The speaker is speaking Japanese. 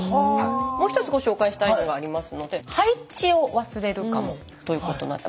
もう１つご紹介したいのがありますので「配置を忘れるかも」ということなんです。